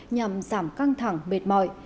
nhằm giảm căng thẳng mệt mỏi